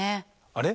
あれ？